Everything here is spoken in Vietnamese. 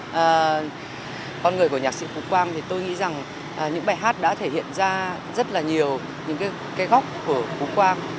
và con người của nhạc sĩ phú quang thì tôi nghĩ rằng những bài hát đã thể hiện ra rất là nhiều những cái góc của phú quang